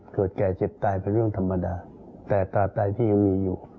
เกิดแก่เจ็บตายเป็นเรื่องธรรมดาแต่ตราไตที่ยังมีอยู่